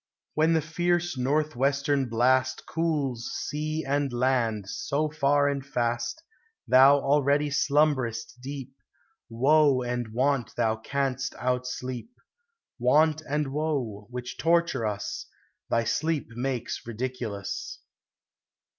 When the fierce northwestern blast Cools sea and land so far and fast, — Thou already slumberest deep; Woe and want thou canst outsleep; Want and woe, which torture us, Thy sleep makes ridiculous.